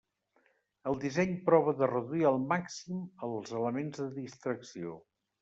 El disseny prova de reduir al màxim els elements de distracció.